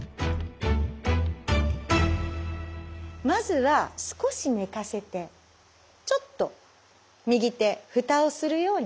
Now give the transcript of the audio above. まずは少し寝かせてちょっと右手ふたをするように寝かせて。